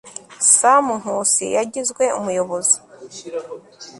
Sam Nkusi yagizwe umuyobozi